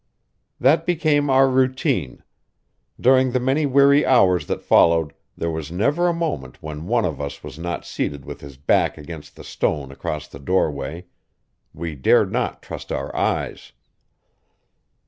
That became our routine. During the many weary hours that followed there was never a moment when one of us was not seated with his back against the stone across the doorway; we dared not trust our eyes.